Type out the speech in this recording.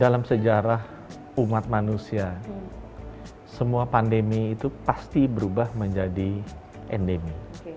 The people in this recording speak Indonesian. dalam sejarah umat manusia semua pandemi itu pasti berubah menjadi endemi